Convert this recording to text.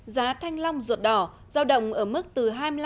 giá thanh long ruột đỏ giao động ở mức từ hai mươi năm